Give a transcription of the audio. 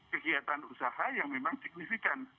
kegiatan usaha yang memang signifikan